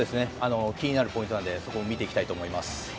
気になるポイントなので見ていきたいと思います。